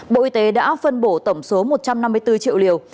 bộ y tế đã phân bổ tổng số một trăm năm mươi bốn triệu liều